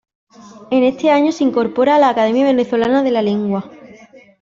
En este año se incorpora a la Academia Venezolana de la Lengua.